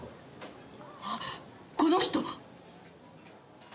あっこの人！